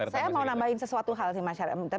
saya mau nambahin sesuatu hal sih masyarakat